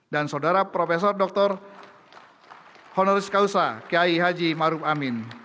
dan saudara prof dr honoris causa kiai haji maruf amin